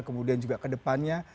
kemudian juga ke depannya